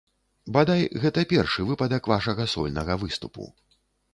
Бадай, гэта першы выпадак вашага сольнага выступу.